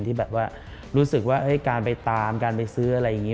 ที่แบบว่ารู้สึกว่าการไปตามการไปซื้ออะไรอย่างนี้